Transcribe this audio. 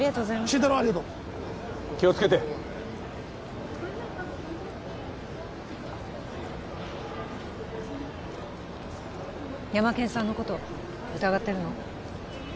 心太朗ありがとう気をつけてヤマケンさんのこと疑ってるの？